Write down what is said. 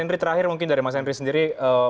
henry terakhir mungkin dari mas henry sendiri